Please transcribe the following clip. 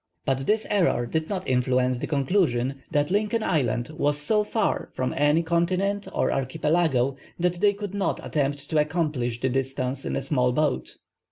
But this error did not influence the conclusion that Lincoln Island was so far from any continent or archipelago that they could not attempt to accomplish the distance in a small boat.